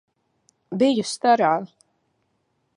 Biju starā!